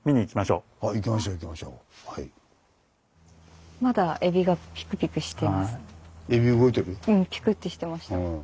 うんピクってしてました。